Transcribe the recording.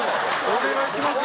お願いしますよ。